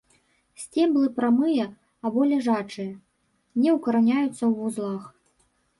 Сцеблы прамыя або ляжачыя, не укараняюцца ў вузлах.